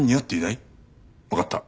わかった。